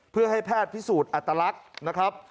เพื่อให้แพทย์พิสูจน์อัตลักษณ์นะครับ